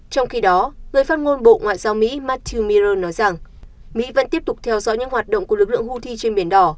trong khi đó người phát ngôn bộ ngoại giao mỹ mattheu mier nói rằng mỹ vẫn tiếp tục theo dõi những hoạt động của lực lượng houthi trên biển đỏ